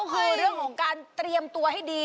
ก็คือเรื่องของการเตรียมตัวให้ดี